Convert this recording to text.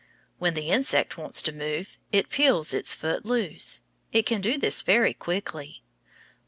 When the insect wants to move, it peels its foot loose. It can do this very quickly.